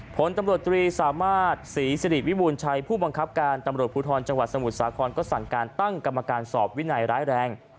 ผลตำรวจตรีสามารถศรีสิริวิบูรณชัยผู้บังคับการตำรวจภูทรจังหวัดสมุทรสาครก็สั่งการตั้งกรรมการสอบวินัยร้ายแรง